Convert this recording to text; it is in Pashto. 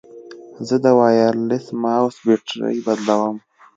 زه د وایرلیس ماؤس بیټرۍ بدلوم.